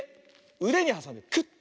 うでにはさんでクッ！